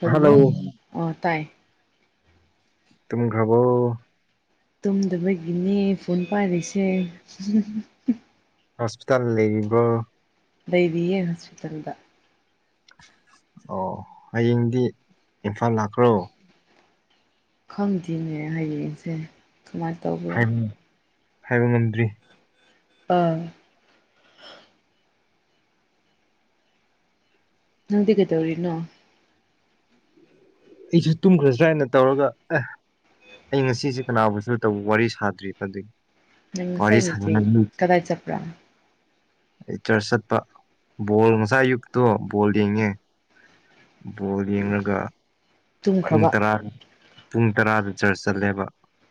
Hello hello ꯑꯣ ꯇꯥꯏ ꯇꯨꯝꯈ꯭ꯔꯕꯣ ꯇꯨꯝꯗꯕꯒꯤꯅꯦ ꯐꯣꯟ ꯄꯥꯏꯔꯤꯁꯦ ꯍꯣꯁꯄꯤꯇꯥꯜ ꯂꯩꯔꯤꯕꯣ ꯂꯩꯔꯤꯌꯦ ꯍꯣꯁꯄꯤꯇꯥꯜꯗ ꯑꯣ ꯍꯌꯦꯡꯗꯤ ꯏꯝꯐꯥꯜ ꯂꯥꯛꯈ꯭ꯔꯣ ꯈꯪꯗꯦꯅꯦ ꯍꯌꯦꯡꯁꯦ ꯀꯃꯥꯏ ꯇꯧꯕ ꯍꯥꯏꯕ ꯍꯥꯏꯕ ꯉꯝꯗ꯭ꯔꯤ ꯑꯥ ꯅꯪꯗꯤ ꯀꯩꯗꯧꯔꯤꯅꯣ ꯑꯩꯁꯨ ꯇꯨꯝꯈ꯭ꯔꯁꯤꯔꯥ ꯍꯥꯏꯅ ꯇꯧꯔꯒ ꯑꯦ ꯑꯩ ꯉꯁꯤꯁꯦ ꯀꯅꯥꯨꯝꯕꯁꯨ ꯇꯧ ꯋꯥꯔꯤ ꯁꯥꯗ꯭ꯔꯤꯕ ꯑꯗꯨꯏ ꯅꯪ ꯉꯁꯥꯏ ꯅꯨꯡꯊꯤꯜ ꯀꯗꯥꯥꯏ ꯆꯠꯄ꯭ꯔꯥ ꯑꯩ ꯆ꯭ꯔꯁ ꯆꯠꯄ ꯕꯣꯜ ꯉꯁꯥꯥꯏ ꯑꯌꯨꯛꯇꯣ ꯕꯣꯜ ꯌꯦꯡꯉꯦ ꯕꯣꯜ ꯌꯦꯡꯔꯥꯒ ꯄꯨꯡ ꯇꯨꯝꯈ꯭ꯔꯕ ꯇꯔꯥꯒꯤ ꯄꯨꯡ ꯇꯔꯥꯗ ꯆ꯭ꯔꯁ ꯆꯠꯂꯦꯕ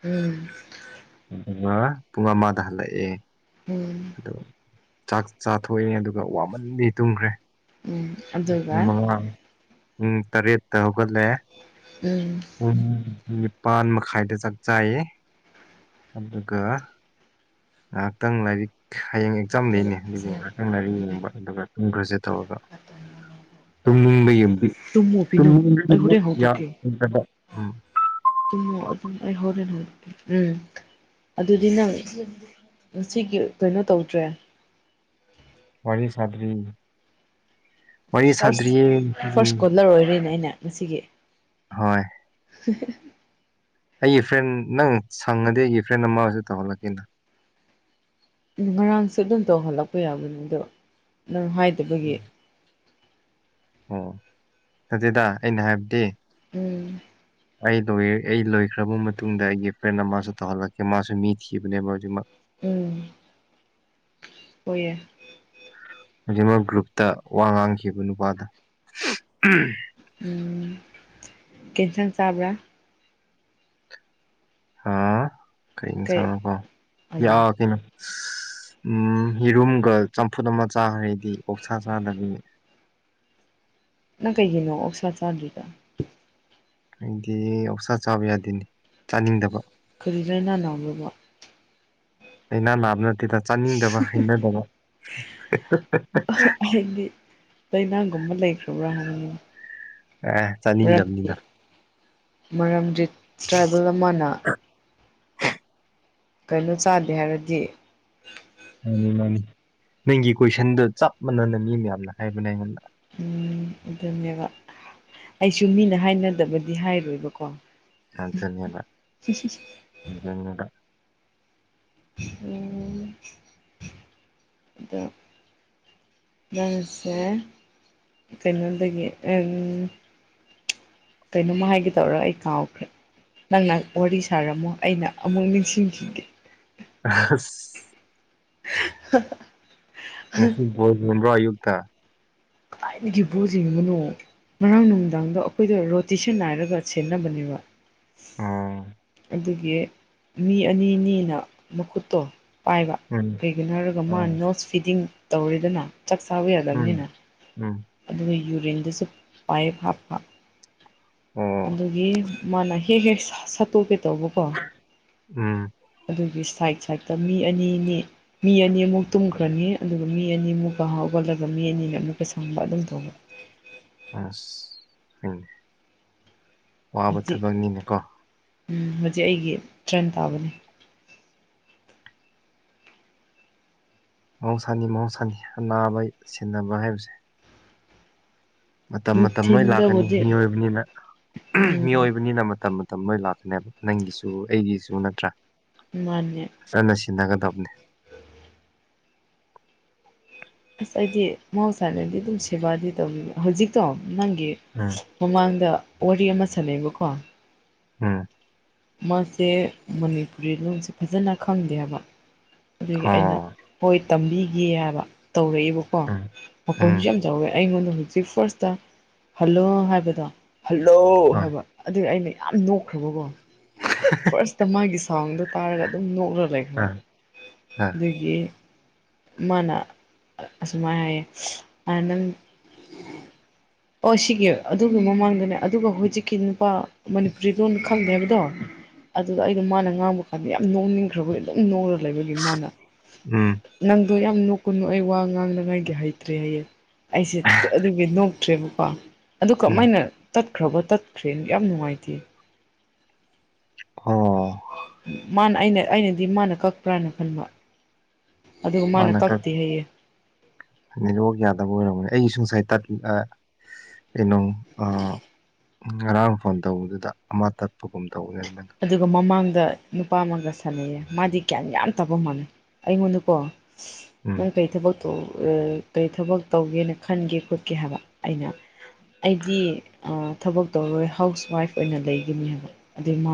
ꯎꯨꯝ [unintelligible] ꯄꯨꯡ ꯑꯃꯗ ꯍꯜꯂꯛꯑꯦ ꯎꯨꯝ ꯑꯗꯣ ꯆꯥꯛ ꯆꯥꯊꯣꯛꯑꯦ ꯑꯗꯨꯒ ꯋꯥꯃꯟꯕꯒꯤ ꯇꯨꯝꯈ꯭ꯔꯦ ꯎꯝ ꯑꯗꯨꯒ [unintelligible] ꯄꯨꯡ ꯇꯔꯦꯠꯇ ꯍꯧꯒꯠꯂꯦ ꯎꯝ ꯄꯨꯡ ꯅꯤꯄꯥꯜ ꯃꯈꯥꯏꯗ ꯆꯥꯛ ꯆꯥꯏꯌꯦ ꯑꯗꯨꯒ ꯉꯥꯏꯍꯥꯛꯇꯪ ꯂꯥꯏꯔꯤꯛ ꯍꯌꯦꯡ ꯑꯦꯛꯖꯥꯝ ꯂꯩꯅꯦ ꯑꯗꯨ ꯅꯪ ꯂꯥꯏꯔꯤꯛ ꯌꯦꯡꯕ ꯑꯗꯨꯒ ꯇꯨꯝꯈ꯭ꯔꯁꯦ ꯇꯧꯔꯒ ꯇꯨꯝꯅꯤꯡꯕ ꯌꯦꯡ ꯇꯨꯝꯃꯨ ꯄꯤꯅꯨ ꯑꯩ ꯍꯣꯔꯦꯟ [unintelligible] ꯌꯥ ꯍꯧꯗꯣꯛꯀꯦ [unintelligible] ꯎꯨꯝ ꯇꯨꯝꯃꯣ ꯑꯗꯨꯝ ꯑꯩ ꯍꯣꯔꯦꯟ ꯍꯧꯗꯣꯛꯀꯦ ꯎꯨꯝ ꯑꯗꯨꯗꯤ ꯅꯪ ꯉꯁꯤꯒꯤ ꯀꯩꯅꯣ ꯇꯧꯗ꯭ꯔꯦ ꯋꯥꯔꯤ ꯁꯥꯗ꯭ꯔꯤ ꯋꯥꯔꯤ ꯐ꯭ꯔꯥꯁ ꯁꯥꯗ꯭ꯔꯤꯌꯦ ꯐ꯭ꯔꯥꯁ ꯎꯝ ꯀꯣꯂꯔ ꯑꯣꯏꯔꯤꯅꯦ ꯑꯩꯅ ꯉꯁꯤꯒꯤ ꯍꯣꯏ ꯍꯥ ꯍꯥ ꯑꯩꯒꯤ ꯐ꯭ꯔꯦꯟ ꯅꯪ ꯁꯪꯉꯗꯤ ꯑꯩꯒꯤ ꯐ꯭ꯔꯦꯟ ꯑꯃꯁꯨ ꯇꯧꯍꯜꯂꯛꯀꯦꯅ ꯎꯨꯝ ꯉꯔꯥꯡꯁꯨ ꯑꯗꯨꯝ ꯇꯧꯍꯜꯂꯛꯄ ꯌꯥꯕꯅꯦ ꯑꯗꯣ ꯅꯪ ꯍꯥꯏꯗꯕꯒꯤ ꯑꯣ ꯅꯠꯇꯦꯗ ꯑꯩꯅ ꯍꯥꯏꯕꯗꯤ ꯎꯨꯝ ꯑꯩ ꯂꯣꯏ ꯑꯩ ꯂꯣꯏꯈ꯭ꯔꯕ ꯃꯇꯨꯡꯗ ꯑꯩꯒꯤ ꯐ꯭ꯔꯦꯟ ꯑꯃꯥꯁꯨ ꯇꯧꯍꯜꯂꯛꯀꯦ ꯃꯥꯁꯨ ꯃꯤ ꯊꯤꯕꯅꯦꯕ ꯍꯧꯖꯤꯛꯃꯛ ꯎꯨꯝ ꯍꯣꯏꯌꯦ ꯍꯧꯃꯛ ꯒ꯭ꯔꯨꯞꯇ ꯋꯥ ꯉꯥꯡꯈꯤꯕ ꯅꯨꯄꯥꯗꯨ ꯑꯝ ꯎꯨ ꯀꯦꯟꯁꯥꯡ ꯆꯥꯕ꯭ꯔꯥ ꯍꯥꯥ ꯀꯩ ꯏꯁꯥꯡꯅꯣꯀꯣ ꯌꯥ ꯑꯌꯣ ꯀꯩꯅꯣ ꯎꯝ ꯌꯦꯔꯨꯝꯒ ꯆꯝꯐꯨꯠ ꯑꯃ ꯆꯥꯈ꯭ꯔꯦ ꯑꯩꯗꯤ ꯑꯣꯛꯁꯥ ꯆꯥꯗꯕꯒꯤ ꯅꯪ ꯀꯩꯒꯤꯅꯣ ꯑꯣꯛꯁꯥ ꯆꯥꯗ꯭ꯔꯤꯗꯣ ꯑꯩꯗꯤ ꯑꯣꯛꯁꯥ ꯆꯥꯕ ꯌꯥꯗꯦꯅꯦ ꯆꯥꯅꯤꯡꯗꯕ ꯀꯔꯤꯔꯥ ꯅꯪ [unintelligible] ꯂꯩꯅꯥ ꯅꯥꯕ ꯅꯠꯇꯦꯗ ꯆꯥꯅꯤꯡꯗꯕ ꯍꯩꯅꯗꯕ ꯑꯩꯗꯤ ꯂꯩꯅꯒꯨꯝꯕ ꯂꯩꯈ꯭ꯔꯕ꯭ꯔꯥ ꯍꯥꯏꯕꯅꯤꯗ ꯑꯥ ꯆꯥꯅꯤꯡꯗꯕꯅꯤꯗ ꯃꯔꯝꯗꯤ ꯇ꯭ꯔꯥꯏꯕꯦꯜ ꯑꯃꯅ ꯀꯩꯅꯣ ꯆꯥꯟꯗꯦ ꯍꯥꯏꯔꯗꯤ ꯃꯥꯅꯤ ꯃꯥꯅꯤ ꯅꯪꯒꯤ ꯀꯣꯏꯁꯟꯗ ꯆꯞ ꯃꯥꯟꯅꯅ ꯃꯤ ꯃꯌꯥꯝꯅ ꯍꯥꯏꯕꯅꯦ ꯑꯩꯉꯣꯟꯗ꯫ ꯎꯝ ꯑꯗꯨꯅꯦꯕ꯫ ꯑꯩꯁꯨ ꯃꯤꯅ ꯍꯥꯏꯅꯗꯕꯗꯤ ꯍꯥꯏꯔꯣꯏꯕꯀꯣ꯫ ꯑꯗꯨꯅꯦꯕ [unintelligible] ꯎꯝ ꯑꯗꯣ ꯅꯪꯁꯦ ꯀꯩꯅꯣꯗꯒꯤ ꯑꯝ ꯀꯩꯅꯣꯝꯃ ꯍꯥꯏꯒꯦꯇꯧꯔ ꯑꯩ ꯀꯥꯎꯈ꯭ꯔꯦ꯫ ꯅꯪꯅ ꯋꯥꯔꯤ ꯁꯥꯔꯝꯃꯣ ꯑꯩꯅ ꯑꯃꯨꯛ ꯅꯤꯡꯁꯤꯡꯈꯤꯒꯦ꯫ ꯑꯁ ꯉꯁꯤ ꯕꯣꯜ ꯌꯦꯡꯕ꯭ꯔꯣ ꯑꯌꯨꯛꯇ꯫ ꯀꯗꯥꯏꯗꯒꯤ ꯕꯣꯜ ꯌꯦꯡꯕꯅꯣ꯫ ꯉꯔꯥꯡ ꯅꯨꯃꯤꯗꯥꯡꯗꯣ ꯑꯩꯈꯣꯏꯗꯣ ꯔꯣꯇꯦꯁꯟ ꯅꯥꯏꯔꯒ ꯁꯦꯟꯅꯕꯅꯦꯕ꯫ ꯑꯣ꯫ ꯑꯗꯨꯒꯤ ꯃꯤ ꯑꯅꯤ ꯑꯅꯤꯅ ꯃꯈꯨꯠꯇꯣ ꯄꯥꯏꯕ ꯎꯝ ꯀꯩꯒꯤꯅꯣ ꯍꯥꯏꯔꯒ ꯃꯥ ꯑꯣ ꯅꯣꯁ ꯐꯤꯗꯤꯡ ꯇꯧꯔꯦꯗꯅ ꯆꯥꯛ ꯆꯥꯕ ꯎꯝ ꯌꯥꯗꯕꯅꯦꯅ ꯎꯝ꯫ ꯑꯗꯨꯒ ꯌꯨꯔꯤꯟꯗꯨꯁꯨ ꯄꯥꯏꯞ ꯍꯥꯞꯄ꯫ ꯑꯣ ꯑꯗꯨꯒꯤ ꯃꯥꯅ ꯍꯦꯛ ꯍꯦꯛ ꯁ-ꯁꯠꯇꯣꯛꯀꯦ ꯇꯧꯕꯀꯣ꯫ ꯎꯝ꯫ ꯑꯗꯨꯒꯤ ꯁꯥꯏꯠ ꯁꯥꯏꯠꯇ ꯃꯤ ꯑꯅꯤ ꯑꯅꯤ ꯃꯤ ꯑꯅꯤꯃꯨꯛ ꯇꯨꯝꯈ꯭ꯔꯅꯤ ꯑꯗꯨꯒ ꯃꯤ ꯑꯅꯤꯃꯨꯛꯀ ꯍꯧꯒꯠꯂꯒ ꯃꯤ ꯑꯅꯤꯅ ꯑꯃꯨꯛꯀ ꯁꯪꯕ ꯑꯗꯨꯝ ꯇꯧꯕ꯫ ꯑꯁ ꯍꯣꯏꯅꯦ ꯋꯥꯕ ꯍꯧꯖꯤꯛ ꯊꯕꯛꯅꯤꯅꯦꯀꯣ꯫ ꯎꯝ ꯍꯧꯖꯤꯛ ꯑꯩꯒꯤ ꯇ꯭ꯔꯟ ꯇꯥꯕꯅꯦ꯫ ꯃꯍꯧꯁꯥꯅꯤ ꯃꯍꯧꯁꯥꯅꯤ ꯑꯅꯥꯕ ꯁꯦꯟꯅꯕ ꯍꯥꯏꯕꯁꯦ꯫ ꯃꯇꯝ ꯃꯇꯝ ꯂꯣꯏ ꯂꯥꯛꯀꯅꯤ ꯅꯨꯡꯊꯤꯟꯗꯕꯨꯗꯤ ꯃꯤꯑꯣꯏꯕꯅꯤꯅ ꯎꯝ ꯃꯤꯑꯣꯏꯕꯅꯤꯅ ꯃꯇꯝ ꯃꯇꯝ ꯂꯣꯏ ꯂꯥꯛꯀꯅꯦꯕ ꯅꯪꯒꯤꯁꯨ ꯑꯩꯒꯤꯁꯨ ꯅꯠꯇ꯭ꯔꯥ꯫ ꯃꯥꯅꯦ꯫ ꯐꯖꯅ ꯁꯦꯟꯅꯒꯗꯕꯅꯦ꯫ ꯑꯁ ꯑꯩꯗꯤ ꯃꯍꯧꯁꯥꯅꯗꯤ ꯑꯗꯨꯝ ꯁꯦꯕꯥꯗꯤ ꯇꯧꯅꯤ ꯍꯧꯖꯤꯛꯇꯣ ꯅꯪꯒꯤ ꯑ꯫ ꯃꯃꯥꯡꯗ ꯋꯥꯔꯤ ꯑꯃ ꯁꯥꯟꯅꯩꯕꯀꯣ꯫ ꯑ꯫ ꯃꯥꯁꯦ ꯃꯅꯤꯄꯨꯔꯤ ꯂꯣꯟꯁꯦ ꯐꯖꯅ ꯈꯪꯗꯦ ꯍꯥꯏꯕ ꯑꯗꯨꯒꯤ ꯑꯩꯅ ꯑꯣ ꯍꯣꯏ ꯇꯝꯕꯤꯒꯦ ꯍꯥꯏꯕ ꯇꯧꯔꯛꯑꯦꯕꯀꯣ ꯎꯝ ꯎꯝ ꯃꯈꯣꯟꯁꯨ ꯌꯥꯝ ꯆꯥꯎꯋꯦ ꯑꯩꯉꯣꯟꯗ ꯍꯨꯖꯤꯛ ꯐ꯭ꯔꯁꯇ ꯍꯜꯂꯣ ꯍꯥꯏꯕꯗꯣ ꯍꯜꯂꯣ ꯍꯣꯏ ꯍꯥꯏꯕ꯫ ꯑꯗꯨꯒꯤ ꯑꯩꯅ ꯌꯥꯝ ꯅꯣꯛꯈ꯭ꯔꯕꯀꯣ ꯐꯔ꯭ꯁꯇ ꯃꯥꯒꯤ ꯁꯥꯎꯟꯗꯣ ꯇꯥꯔꯒ ꯑꯗꯨꯝ ꯅꯣꯛꯂꯒ ꯂꯩ ꯑ ꯑ [unintelligible] ꯑꯗꯨꯒꯤ ꯃꯥꯅ ꯑꯁꯨꯃꯥꯏꯅ ꯍꯥꯏꯌꯦ ꯑꯥ ꯅꯪ [inaudible] ꯑꯣ ꯁꯤꯒꯤ ꯑꯗꯨꯒꯤ ꯃꯃꯥꯡꯗꯅꯦ ꯑꯗꯨꯒ ꯍꯨꯖꯤꯛꯀꯤ ꯅꯨꯄꯥ ꯃꯅꯤꯄꯨꯔꯤ ꯂꯣꯟ ꯈꯪꯗꯦ ꯍꯥꯏꯕꯗꯣ ꯑꯗꯨꯗ ꯑꯩꯗꯤ ꯃꯥꯅ ꯉꯥꯡꯕ ꯀꯥꯟꯗ ꯌꯥꯝ ꯅꯣꯛꯅꯤꯡꯈ꯭ꯔꯕꯒꯤ ꯑꯗꯨꯝ ꯅꯣꯛꯔ ꯂꯩꯕꯒꯤ ꯃꯥꯅ ꯎꯝ꯫ ꯅꯪꯗꯣ ꯌꯥꯝ ꯅꯣꯛꯀꯅꯣ ꯑꯩ ꯋꯥ ꯉꯥꯡꯅꯉꯥꯏꯒꯤ ꯍꯩꯇ꯭ꯔꯦ ꯍꯥꯏꯌꯦ ꯑꯩꯁꯦ ꯑꯗꯨꯒꯤ ꯅꯣꯛ ꯈ꯭ꯔꯦꯕꯀꯣ ꯑꯗꯨ ꯎꯝ ꯀꯃꯥꯏꯅ ꯇꯠꯈ꯭ꯔꯕ ꯇꯠꯈ꯭ꯔꯦ ꯌꯥꯝ ꯅꯨꯡꯉꯥꯏꯇꯦ꯫ ꯑꯣ꯫ ꯃꯥꯅ ꯑꯩꯅ ꯑꯩꯅꯗꯤ ꯃꯥꯅ ꯀꯛꯄ꯭ꯔꯥꯅ ꯈꯟꯕ ꯑꯗꯨꯒ ꯃꯥꯅ ꯀꯛꯇꯦ ꯍꯩꯌꯦ꯫ ꯅꯦꯠꯋꯥꯔꯛ ꯌꯥꯗꯕ ꯑꯣꯏꯔꯝꯒꯅꯦ ꯑꯩꯒꯤꯁꯨ ꯉꯁꯥꯏ ꯇꯠ ꯑꯥ ꯀꯩꯅꯣ ꯑꯥ ꯉꯔꯥꯡ ꯐꯣꯟ ꯇꯧꯕꯗꯨꯗ ꯑꯃ ꯇꯠꯄꯒꯨꯝ ꯇꯧꯋꯦ ꯑꯗꯨꯃꯥꯏꯅ ꯑꯗꯨꯒ ꯃꯃꯥꯡꯗ ꯅꯨꯄꯥ ꯑꯃꯒ ꯁꯥꯟꯅꯩꯌꯦ ꯃꯥꯗꯤ ꯒ꯭ꯌꯥꯟ ꯌꯥꯝ ꯇꯕ ꯃꯥꯂꯩ ꯑꯩꯉꯣꯟꯗꯀꯣ ꯎꯝ ꯅꯪ ꯀꯩ ꯊꯕꯛ [unintelligible] ꯀꯔꯤ ꯊꯕꯛ ꯇꯧꯒꯦꯅ ꯈꯟꯒꯦ ꯈꯣꯠꯀꯦ ꯍꯥꯏꯕ ꯑꯩꯅ ꯑꯩꯗꯤ ꯑꯥ ꯊꯕꯛ ꯇꯧꯔꯣꯏ ꯍꯥꯎꯁ ꯋꯥꯏꯐ ꯑꯣꯏꯅ ꯂꯩꯒꯤꯅꯤ ꯍꯥꯏꯕ ꯑꯗꯨꯏ ꯃꯥ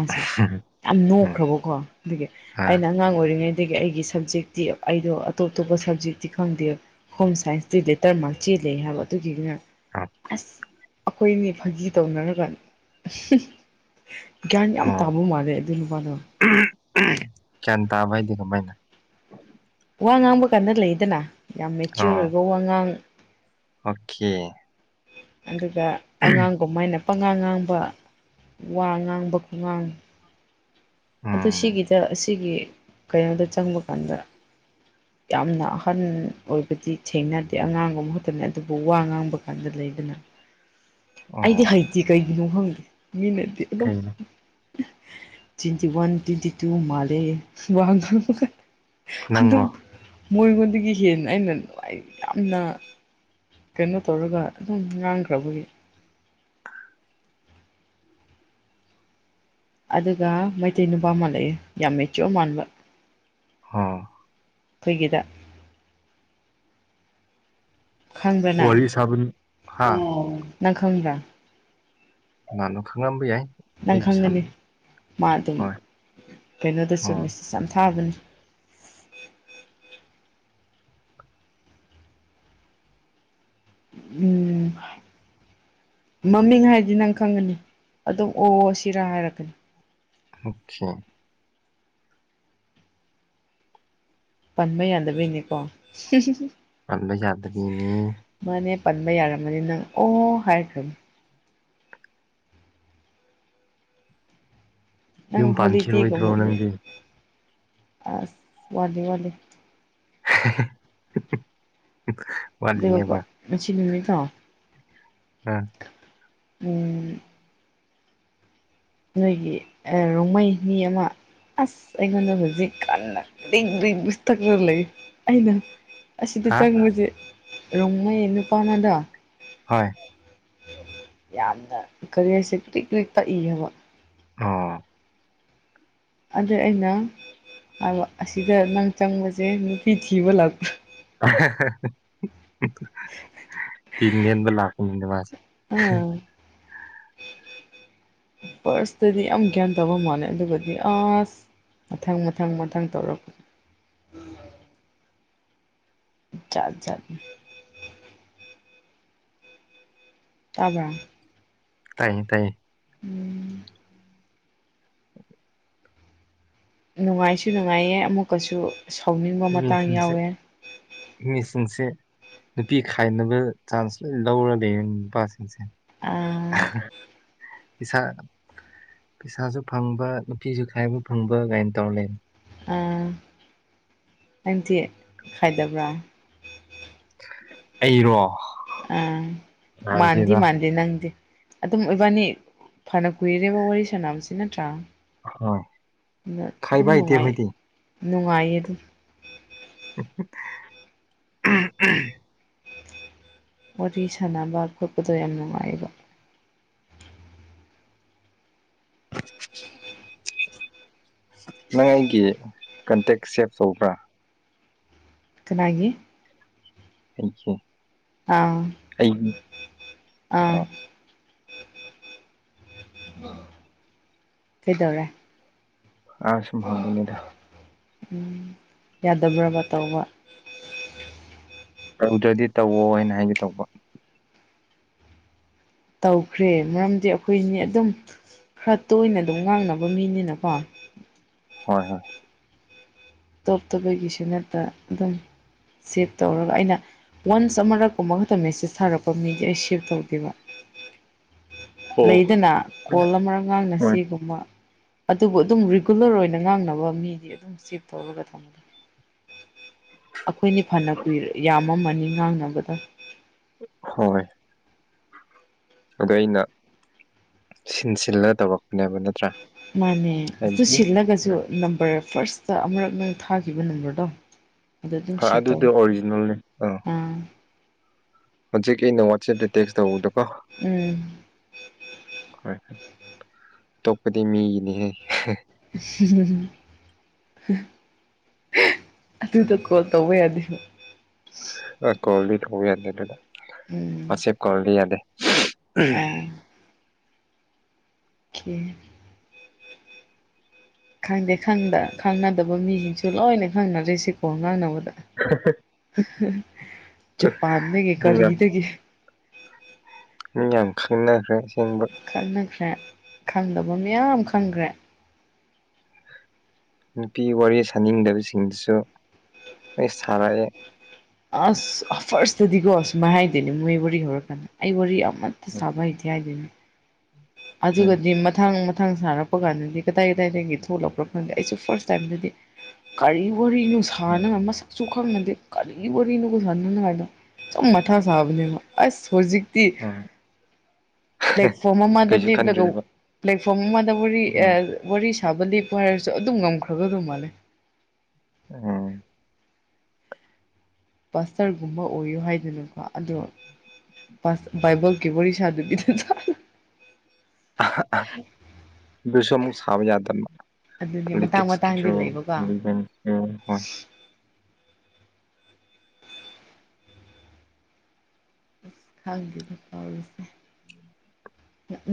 ꯌꯥꯝ ꯎꯝ ꯅꯣꯛꯈ꯭ꯔꯥꯕꯀꯣ ꯑꯗꯨꯒꯤ ꯑ ꯑꯩꯅ ꯑꯉꯥꯡ ꯑꯣꯏꯔꯤꯉꯩꯗꯒꯤ ꯑꯩꯒꯤ ꯁꯕꯖꯦꯛꯇꯤ ꯑꯩꯗꯣ ꯑꯇꯣꯞ ꯑꯇꯣꯞꯄ ꯁꯕꯖꯦꯛꯇꯤ ꯈꯪꯗꯦꯕ ꯍꯣꯝ ꯁꯥꯏꯟꯁꯇꯤ ꯂꯦꯇꯔ ꯃꯥꯔ꯭ꯛ ꯆꯦꯜꯂꯤ ꯍꯥꯏꯕ ꯑꯗꯨꯒꯤꯅꯦ ꯑꯁ ꯑꯈꯣꯏ ꯑꯅꯤ ꯐꯥꯒꯤ ꯇꯧꯅꯔꯒ ꯒ꯭ꯌꯥꯟ ꯌꯥꯝ ꯇꯥꯕ ꯃꯥꯜꯂꯦ ꯑꯗꯨ ꯅꯨꯄꯥꯗꯣ ꯎꯝ ꯎꯝ ꯒ꯭ꯌꯥꯟ ꯇꯥꯕ ꯍꯥꯏꯗꯤ ꯀꯃꯥꯏꯅ ꯋꯥ ꯉꯥꯡꯕ ꯀꯥꯟꯗ ꯂꯩꯗꯅ ꯌꯥꯝ ꯃꯦꯆꯤꯌꯣꯔ ꯑꯣꯏꯕ ꯋꯥ ꯉꯥꯡ ꯑꯣꯈꯦ ꯑꯗꯨꯒ ꯑꯉꯥꯡꯒꯨꯝꯃꯥꯏꯅ ꯄꯉꯥꯡ ꯉꯥꯡꯕ ꯋꯥ ꯉꯥꯡꯕ ꯈꯨꯉꯥꯡ ꯑꯗꯨ ꯎꯝ ꯁꯤꯒꯤꯗ ꯑꯁꯤꯒꯤ ꯀꯩꯅꯣꯗ ꯆꯪꯕ ꯀꯥꯟꯗ [inaudible] ꯌꯥꯝꯅ ꯑꯍꯟ ꯑꯣꯏꯕꯗꯤ ꯊꯦꯡꯅꯗꯦ ꯑꯉꯥꯡ ꯃꯍꯨꯠꯇꯅꯦ ꯑꯗꯨꯕꯨ ꯋꯥ ꯉꯥꯡꯕ ꯀꯥꯟꯗ ꯂꯩꯗꯅ [inaudible] ꯑꯩꯗꯤ ꯑꯣ ꯍꯩꯇꯦ ꯀꯩꯒꯤꯅꯣ ꯈꯪꯗꯦ ꯃꯤꯅꯗꯤ ꯑꯗꯨꯝ ꯀꯩꯅꯣ ꯇꯤꯟꯇꯤ ꯋꯥꯟ ꯇ꯭ꯋꯦꯟꯇꯤ ꯇꯨ ꯃꯥꯂꯦ ꯋꯥ ꯉꯥꯡꯕꯗ ꯑꯗꯨꯝ ꯅꯪꯔꯣ ꯃꯣꯏꯉꯣꯟꯗꯒꯤ ꯍꯦꯟꯅ ꯑꯩꯅ ꯅꯨꯡꯉꯥꯏ ꯌꯥꯝꯅ ꯀꯩꯅꯣ ꯇꯧꯔꯒ ꯑꯗꯨꯝ ꯉꯥꯡꯈ꯭ꯔꯥꯕꯒꯤ ꯑꯗꯨꯒ ꯃꯩꯇꯩ ꯅꯨꯄꯥ ꯃꯜꯂꯛꯑꯦ ꯌꯥꯝ ꯃꯦꯆꯌꯣꯔ ꯃꯥꯟꯕ ꯍꯥ ꯈꯣꯏꯒꯤꯗ ꯈꯪꯕ꯭ꯔꯥ ꯅꯪ ꯋꯥꯔꯤ ꯁꯥꯕ ꯍꯥ ꯑꯣ ꯅꯪ ꯈꯪꯕ꯭ꯔꯥ ꯀꯅꯥꯅꯣ ꯈꯪꯂꯝꯕ ꯌꯥꯏ ꯅꯪ ꯑꯩꯁꯨ ꯁꯥꯟ ꯈꯪꯒꯅꯤ ꯃꯥ ꯑꯗꯨꯝ ꯍꯣꯏ ꯀꯩꯅꯣꯗꯁꯨ ꯑꯣ ꯃꯦꯁꯦꯁ ꯌꯥꯝ ꯊꯥꯕꯅꯤ ꯎꯝ ꯃꯃꯤꯡ ꯍꯥꯏꯗꯤ ꯅꯪ ꯈꯪꯉꯅꯤ ꯑꯗꯨꯝ ꯑꯣ ꯁꯤꯔꯥ ꯍꯥꯏꯔꯛꯀꯥꯅꯤ [unintelligible] ꯄꯟꯕ ꯌꯥꯗꯕꯩꯅꯦꯀꯣ ꯄꯟꯕ ꯌꯥꯗꯕꯤꯅꯤ ꯃꯥꯅꯦ ꯄꯟꯕ ꯌꯥꯔꯝꯃꯗꯤ ꯅꯪ ꯑꯣ ꯍꯥꯏꯈ꯭ꯔꯥꯅꯤ ꯅꯪ ꯌꯨꯝ ꯄꯥꯟꯈꯤꯔꯣꯏꯗ꯭ꯔꯣ ꯍꯣꯂꯤꯗꯦꯒꯨꯝꯗꯤ ꯅꯪꯗꯤ ꯑꯁ ꯋꯥꯗꯦ ꯋꯥꯗꯦ [unintelligible] ꯑꯗꯨꯒꯀꯣ ꯉꯁꯤ ꯅꯨꯃꯤꯠꯇꯣ ꯑꯥ ꯎꯝ ꯅꯣꯏꯒꯤ ꯑꯥ ꯔꯣꯡꯃꯩ ꯃꯤ ꯑꯃ ꯑꯁ ꯑꯩꯉꯣꯟꯗ ꯍꯨꯖꯤꯛ ꯀꯥꯟꯅ [unintelligible] ꯇꯛꯂꯒ ꯂꯩ ꯑꯩꯅ ꯑꯁꯤꯗ ꯍꯥ ꯆꯪꯕꯖꯦ ꯔꯣꯡꯃꯩ ꯅꯨꯄꯥꯅꯗꯣ ꯍꯣꯏ ꯌꯥꯝꯅ ꯀꯔꯤ ꯍꯥꯏꯁꯦ ꯀ꯭ꯔꯤꯛ ꯀ꯭ꯔꯤꯛ ꯇꯛꯏ ꯍꯥꯏꯕ ꯑꯣ ꯑꯗ ꯑꯩꯅ ꯑꯁꯤꯗ ꯅꯪ ꯆꯪꯕꯁꯦ ꯅꯨꯄꯤ ꯊꯤꯕ ꯂꯥꯛꯄ [unintelligible] ꯗꯤꯟ ꯂꯦꯟꯕꯥ ꯂꯥꯛꯄꯅꯤꯗ ꯃꯥꯁꯦ ꯑꯥ ꯐꯥꯔꯁꯇꯗꯤ ꯌꯥꯝ ꯒ꯭ꯌꯥꯟ ꯇꯥꯕ ꯃꯥꯜꯂꯦ ꯑꯗꯨꯒꯗꯤ ꯑꯁ ꯃꯊꯪ ꯃꯊꯪ ꯃꯊꯪ ꯇꯧꯔꯛꯄ ꯖꯥꯠ ꯖꯥꯠꯅꯤ ꯇꯥꯕ꯭ꯔ ꯇꯥꯏꯌꯦ ꯇꯥꯏꯌꯦ ꯎꯝ ꯅꯨꯡꯉꯥꯏꯁꯨ ꯅꯨꯡꯉꯥꯏꯌꯦ ꯑꯃꯨꯛꯀꯁꯨ ꯁꯥꯎꯅꯤꯡ ꯃꯤꯁꯤꯡꯁꯦ ꯃꯤꯁꯤꯡꯁꯦ ꯅꯨꯄꯤ ꯈꯥꯏꯅꯕ ꯆꯥꯟꯁ ꯂꯣꯏ ꯂꯧꯔ ꯂꯩ ꯅꯨꯄꯥꯁꯤꯡꯁꯦ ꯑꯥ ꯄꯤꯁꯥ ꯄꯩꯁꯥꯁꯨ ꯐꯪꯕ ꯅꯨꯄꯤꯁꯨ ꯈꯥꯏꯕ ꯐꯪꯕ ꯀꯥꯏꯅ ꯇꯧꯔ ꯂꯩꯅꯤ ꯑꯥ ꯅꯪꯗꯤ ꯈꯥꯏꯗꯕ꯭ꯔꯥ ꯑꯩꯔꯣ ꯑ ꯃꯥꯥꯟꯗꯤ ꯍꯥꯏꯗꯦꯗ ꯃꯥꯥꯟꯗ ꯅꯪꯪꯗꯤ ꯑꯗꯨꯝ ꯑꯣꯏꯕꯥꯅꯤ ꯐꯅ ꯀꯨꯏꯔꯦꯕ ꯋꯥꯔꯤ ꯁꯥꯟꯕꯁꯤ ꯅꯠꯇ꯭ꯔꯥ ꯍꯣꯏ ꯑꯗꯥ ꯑꯗꯨꯝ ꯈꯥꯏꯕ ꯍꯩꯇꯦ ꯅꯨꯡꯉꯥꯏ ꯑꯩꯈꯣꯏꯗꯤ ꯅꯨꯡꯉꯥꯏꯌꯦ ꯑꯗꯨꯝ [unintelligible] ꯋꯥꯔꯤ ꯁꯥꯟꯅꯕ ꯈꯣꯠꯄꯗꯣ ꯌꯥꯝ ꯅꯨꯡꯉꯥꯏꯕ [inaudible] ꯅꯪ ꯑꯩꯒꯤ ꯀꯟꯇꯦꯛ ꯁꯦꯚ ꯇꯧꯕ꯭ꯔꯥ ꯀꯅꯥꯒꯤ ꯑꯩꯒꯤ ꯑꯥ ꯑꯩꯒꯤ ꯑꯥ ꯀꯩꯗꯧꯔꯦ ꯑ ꯁꯨꯝ ꯍꯡꯕꯅꯤꯗ ꯎꯝ ꯌꯥꯗꯕ꯭ꯔꯕ ꯇꯧꯕ ꯇꯧꯗ꯭ꯔꯗꯤ ꯇꯧꯑꯣ ꯍꯥꯏꯅ ꯍꯥꯏꯒꯦ ꯇꯧꯕ ꯇꯧꯈ꯭ꯔꯦ ꯃꯔꯝꯗꯤ ꯑꯩꯈꯣꯏꯅꯤ ꯑꯗꯨꯝ ꯈꯔ ꯇꯣꯏꯅ ꯑꯗꯨꯝ ꯉꯥꯡꯅꯕ ꯃꯤꯅꯤꯅꯀꯣ ꯍꯣꯏ ꯍꯣꯏ ꯇꯣꯞ ꯇꯕꯒꯤꯁꯨ ꯅꯠꯇ ꯑꯗꯨꯝ ꯁꯦꯞ ꯇꯧꯔꯒ ꯑꯩꯅ ꯋꯥꯟꯁ ꯑꯃꯔꯛꯀꯨꯝꯕ ꯈꯛꯇ ꯃꯦꯁꯦꯁ ꯊꯥꯔꯛꯄ ꯃꯤꯗꯤ ꯑꯩ ꯁꯦꯞ ꯇꯧꯗꯦꯕ ꯑꯣ ꯂꯩꯗꯅ ꯀꯣꯜ ꯑꯃꯔꯛ ꯍꯣꯏ ꯉꯥꯡꯅꯁꯦꯒꯨꯝꯕ ꯑꯗꯨꯕꯨ ꯑꯗꯨꯝ ꯔꯤꯒꯨꯂꯔ ꯑꯣꯏꯅ ꯉꯥꯡꯅꯕ ꯃꯤꯗꯤ ꯑꯗꯨꯝ ꯁꯦꯚ ꯇꯧꯔꯒ ꯊꯝꯃꯦ ꯑꯩꯈꯣꯏꯅꯤ ꯐꯅ ꯀꯨꯏꯔ ꯌꯥꯝꯃꯃꯅꯤ ꯉꯥꯡꯅꯕꯗ ꯍꯣꯏ ꯑꯗꯣ ꯑꯩꯅ ꯁꯤꯟ ꯁꯤꯜꯂ ꯇꯧꯔꯛꯄꯅꯦꯕ ꯅꯠꯇ꯭ꯔꯥ ꯃꯥꯅꯦ ꯑꯗꯨ ꯍꯥꯏꯕꯗꯤ ꯁꯤꯜꯂꯒꯁꯨ ꯎꯝ ꯅꯝꯕꯔ ꯐꯥꯔꯁꯇ ꯑꯃꯨꯔꯛ ꯅꯪ ꯊꯥꯈꯤꯕ ꯅꯝꯕꯔꯗꯣ ꯑꯗꯨ ꯑꯗꯨꯝ ꯍꯣꯏ ꯁꯦꯞ ꯑꯗꯨꯗꯤ ꯇꯧꯋ ꯑꯣꯔꯤꯖꯤꯅꯦꯜꯅꯤ ꯑꯥ ꯍꯧꯖꯤꯛ ꯑꯩꯅ ꯋꯥꯆꯦꯞꯇ ꯇꯦꯛꯁ ꯇꯧꯕꯗꯣꯀꯣ ꯎꯝ ꯍꯣꯏ ꯑꯇꯣꯞꯄꯗꯤ ꯃꯤꯒꯤꯅꯤꯍꯦ [unintelligible] ꯑꯗꯨꯗꯣ ꯀꯣꯜ ꯇꯧꯕ ꯌꯥꯗꯦ ꯑ ꯀꯣꯜꯗꯤ ꯇꯧꯕꯥ ꯌꯥꯗꯦ ꯑꯗꯨꯗ ꯎꯝ ꯋꯥꯆꯦꯞ ꯀꯣꯜꯗꯤ ꯌꯥꯗꯦ ꯑ [unintelligible] ꯈꯪꯗꯦ ꯈꯪꯗ ꯈꯪꯅꯗꯕ ꯃꯤꯁꯤꯡꯁꯨ ꯂꯣꯏꯅ ꯈꯪꯅꯔꯤꯁꯤꯀꯣ ꯉꯥꯡꯅꯕꯗ ꯖꯄꯥꯟꯗꯒꯤ ꯃꯤ ꯌꯥꯝ ꯀꯔꯤꯗꯒꯤ ꯃꯤ ꯌꯥꯝ ꯈꯪꯅꯈ꯭ꯔꯦ ꯑꯁꯦꯡꯕ ꯈꯪꯅꯈ꯭ꯔꯦ ꯈꯪꯗꯕ ꯃꯌꯥꯝ ꯈꯪꯈ꯭ꯔꯦ ꯅꯨꯄꯤ ꯋꯥꯔꯤ ꯁꯥꯅꯤꯡꯗꯕꯁꯤꯡꯗꯨꯁꯨ ꯂꯣꯏ ꯁꯥꯔꯛꯑꯦ ꯑꯁ ꯐꯥꯔꯁꯇꯗꯤꯀꯣ ꯁꯨꯃꯥꯏ ꯍꯥꯏꯗꯣꯏꯅꯦ ꯃꯣꯏ ꯋꯥꯔꯤ ꯍꯧꯔꯛꯀꯥꯟꯗ ꯑꯩ ꯋꯥꯔꯤ ꯑꯃ ꯑꯃꯠꯇ ꯎꯝ ꯁꯥꯕ ꯍꯩꯇꯦ ꯍꯥꯏꯗꯅ ꯎꯝ ꯑꯗꯨꯒꯗꯤ ꯃꯊꯪ ꯃꯊꯪ ꯁꯥꯔꯛ ꯄ ꯀꯥꯟꯗꯗꯤ ꯀꯗꯥꯏ ꯀꯗꯥꯏꯗꯒꯤ ꯊꯣꯛꯂꯛꯄ꯭ꯔꯥ ꯈꯥꯟꯗꯦ ꯑꯩꯁꯨ ꯐꯥꯔꯁ ꯇꯥꯏꯝꯗꯗꯤ ꯀꯔꯤ ꯋꯥꯔꯤꯅꯣ ꯁꯅꯅꯤꯉꯥꯏ ꯃꯁꯛꯁꯨ ꯈꯪꯅꯗꯦ ꯀꯔꯤ ꯋꯥꯔꯤꯅꯣꯕꯥ ꯁꯥꯟꯅꯅꯉꯥꯏꯗꯣ ꯁꯨꯝ ꯃꯊꯥ ꯁꯥꯕꯅꯦꯕ ꯑꯁ ꯍꯧꯖꯤꯛꯇꯤ ꯎꯝ ꯄ꯭ꯂꯦꯠꯐꯣꯝ ꯃꯃꯥꯗ ꯀꯩꯁꯨ ꯂꯦꯞꯂꯒ ꯈꯟꯗ꯭ꯔꯦꯕ ꯄ꯭ꯂꯦꯠꯐꯣꯝ ꯑꯃꯗ ꯋꯥꯔꯤ ꯎꯝ ꯋꯥꯔꯤ ꯁꯥꯕ ꯂꯦꯛꯄꯣ ꯍꯥꯏꯔꯁꯨ ꯑꯗꯨꯝ ꯉꯝꯈ꯭ꯔꯒꯗꯧ ꯃꯥꯜꯂꯦ ꯎꯝ ꯄꯁꯇꯔꯒꯨꯝꯕ ꯑꯣꯏꯌꯨ ꯍꯥꯏꯗꯅꯀꯣ ꯑꯗꯣ ꯄ ꯏꯕꯣꯜꯀꯤ ꯋꯥꯔꯤꯁꯥꯗꯕꯤꯗ ꯆ ꯑꯗꯨ ꯁꯨꯝ ꯁꯥꯕ ꯌꯥꯗꯕ ꯑꯗꯨꯅꯤ ꯃꯇꯥꯡ ꯄꯣꯂꯤꯇꯤꯛꯁ ꯀꯤꯁꯨ ꯃꯇꯥꯡꯗꯤ ꯂꯩꯕꯀꯣ ꯎꯝ ꯍꯣꯏ [unintelligible]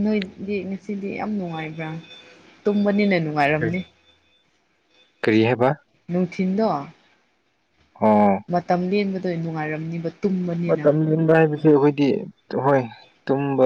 ꯅꯣꯏꯗꯤ ꯉꯁꯤꯗꯤ ꯌꯥꯝ ꯅꯨꯡꯉꯥꯏꯕ꯭ꯔꯥ ꯇꯨꯝꯕꯅꯤꯅ ꯅꯨꯡꯉꯥꯏꯔꯝꯅꯤ ꯀꯔꯤ ꯍꯥꯏꯕ ꯅꯨꯡꯊꯤꯟꯗꯣ ꯑꯣ ꯃꯇꯝ ꯂꯦꯟꯕꯗꯣꯏ ꯅꯨꯡꯉꯥꯏꯔꯝꯅꯤꯕ ꯇꯨꯝꯕꯅꯤꯅ ꯃꯇꯝ ꯂꯦꯟꯕ ꯍꯥꯏꯕꯁꯦ ꯑꯩꯈꯣꯏꯗꯤ ꯍꯣꯏ ꯇꯨꯝꯕ